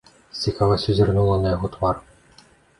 З цікавасцю зірнула на яго твар.